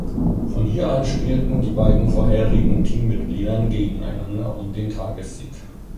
Von hier an spielten die beiden vorherigen Teammitgliedern gegeneinander um den Tagessieg.